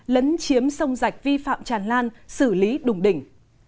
lấn chiếm sông rạch vi phạm tràn lan xử lý đùng đỉnh